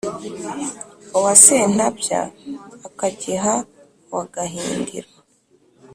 uwa séntabya ákagiha uwa gahindiro